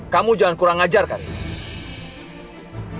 kamu jangan kurang ajar karim